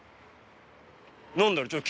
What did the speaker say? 何だろう？